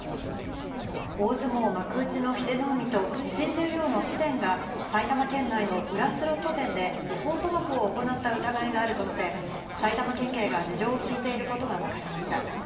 大相撲幕内の英乃海と、新十両の紫雷が、埼玉県内の裏スロット店で違法賭博を行った疑いがあるとして、埼玉県警が事情を聴いていることが分かりました。